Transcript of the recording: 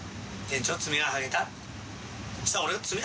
店長）